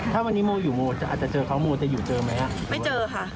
ถ้าวันนี้โมอยู่โมอาจจะเจอเขาโมจะอยู่เจอไหมไม่เจอค่ะ